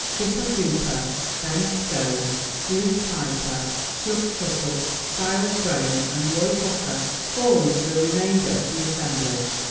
Chipper Cooper, Ben Stone, Sleuth Piper, Chub Tuttle, Sile Crane and Roy Hooker formed the remainder of the assemblage.